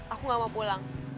aku enggak mau pulang